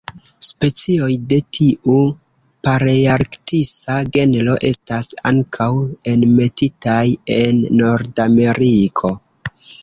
Specioj de tiu palearktisa genro estas ankaŭ enmetitaj en Nordameriko.